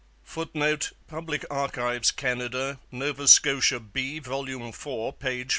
[Footnote: Public Archives, Canada. Nova Scotia B, vol. iv, p. 49.